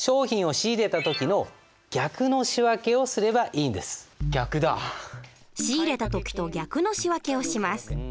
仕入れた時と逆の仕訳をします。